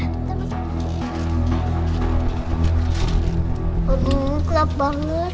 aduh kelap banget